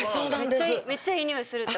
めっちゃいいにおいするって。